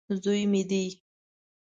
زوی مې دی.